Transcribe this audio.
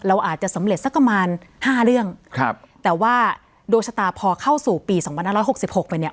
เราอาจจะสำเร็จสักประมาณห้าเรื่องครับแต่ว่าดวงชะตาพอเข้าสู่ปีสองพันห้าร้อยหกสิบหกไปเนี่ย